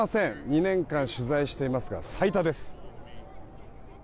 ２年間取材していますが最多です。